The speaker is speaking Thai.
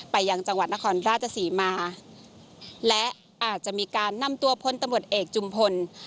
ยังจังหวัดนครราชศรีมาและอาจจะมีการนำตัวพลตำรวจเอกจุมพล